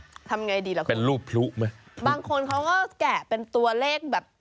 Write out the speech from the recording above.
ทำอย่างไรดีหรือครบบางคนเขาก็แกะเป็นตัวเลขแบบ